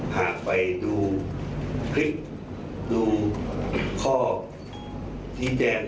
หากไปดูคลิปดูข้อชี้แจง